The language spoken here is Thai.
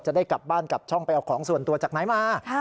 จะได้กลับบ้านกลับช่องไปเอาของส่วนตัวจากไหนมา